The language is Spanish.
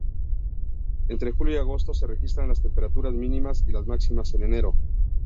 Entre julio y agosto se registran las temperaturas mínimas y las máximas en enero.